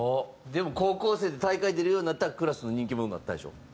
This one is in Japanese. でも高校生で大会出るようになったらクラスの人気者になったでしょ？